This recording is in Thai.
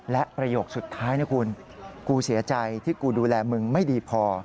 และประโยคสุดท้ายนะคุณกูเสียใจที่กูดูแลมึงไม่ดีพอ